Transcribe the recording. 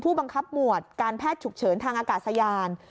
บังคับหมวดการแพทย์ฉุกเฉินทางอากาศยาน